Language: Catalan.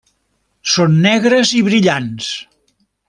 Són negres i brillants.